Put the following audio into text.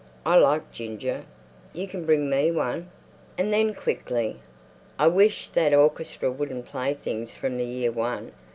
I like ginger. You can bring me one." And then quickly, "I wish that orchestra wouldn't play things from the year One.